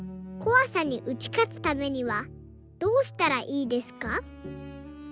こわさに打ち勝つためにはどうしたらいいですか？」。